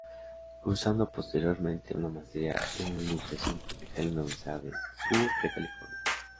Cursando posteriormente una maestría en Administración Pública en la Universidad del Sur de California.